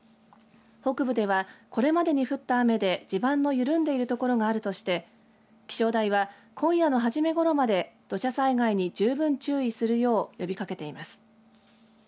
北部では、これまでに降った雨で地盤の緩んでいる所があるとして気象台は今夜の初めごろまで土砂災害に十分注意するよう呼びかけています。